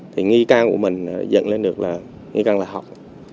thì nghi can của mình dẫn lên được là nghi can là hậu